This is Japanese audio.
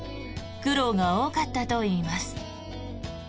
苦労が多かったといいます。